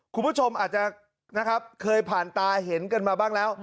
คุณผู้ชมอาจจะนะครับเคยผ่านตาเห็นกันมาบ้างแล้ว